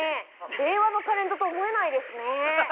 令和のタレントと思えないですね。